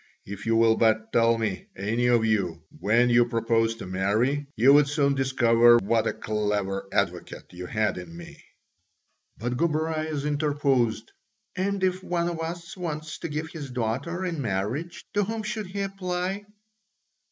If you will but tell me, any of you, when you propose to marry, you would soon discover what a clever advocate you had in me." But Gobryas interposed, "And if one of us wants to give his daughter in marriage, to whom should he apply?"